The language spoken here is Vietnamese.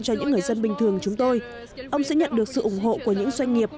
cho những người dân bình thường chúng tôi ông sẽ nhận được sự ủng hộ của những doanh nghiệp